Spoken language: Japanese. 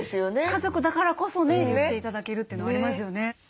家族だからこそね言って頂けるというのありますよね。